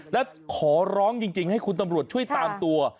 และขอร้องจริงให้คุณตำรวจช่วยตามตัว